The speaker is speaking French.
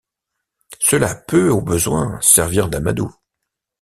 Cela peut, au besoin, servir d’amadou